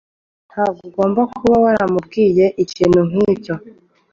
Ntabwo wagombye kuba waramubwiye ikintu nkicyo.